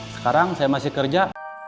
sekarang saya masih kerja